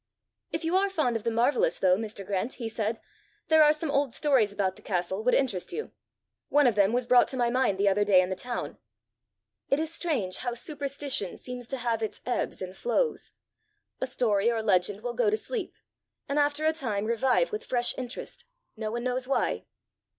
"If you are fond of the marvellous, though, Mr. Grant," he said, "there are some old stories about the castle would interest you. One of them was brought to my mind the other day in the town. It is strange how superstition seems to have its ebbs and flows! A story or legend will go to sleep, and after a time revive with fresh interest, no one knows why."